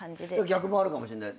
逆もあるかもしんない。